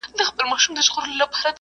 حسنيار